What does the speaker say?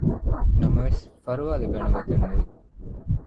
ނަމަވެސް ފަރުވާ ލިބޭނެ ގޮތެއް ނުވި